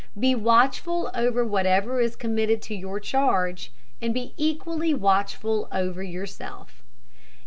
Be watchful over whatever is committed to your charge, and be equally watchful over yourself.